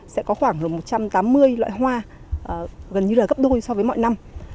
sẽ có khoảng một trăm tám mươi loại hoa gần như là gấp đôi so với mọi năm